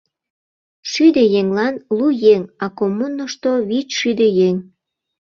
Шӱдӧ еҥлан — лу еҥ, а коммунышто вич шӱдӧ еҥ.